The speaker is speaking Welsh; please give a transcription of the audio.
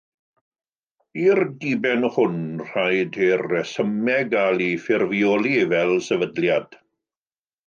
I'r diben hwn, rhaid i'r rhesymeg gael ei ffurfioli fel sefydliad.